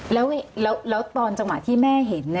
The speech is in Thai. แล้วตอนจังหวะที่แม่เห็น